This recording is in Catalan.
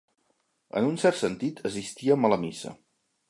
En un cert sentit, assistíem a la missa.